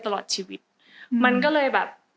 ตลอดชีวิตมันก็เลยแบบ